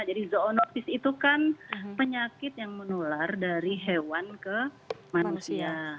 jadi zoonopsis itu kan penyakit yang menular dari hewan ke manusia